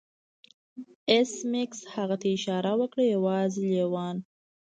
ایس میکس هغه ته اشاره وکړه یوازې لیوان